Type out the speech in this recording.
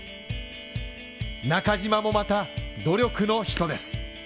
中島もまた努力の人です